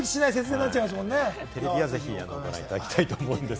テレビはぜひ、ご覧いただきたいと思います。